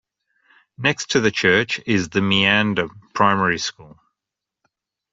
Next to the church is the Meander Primary School.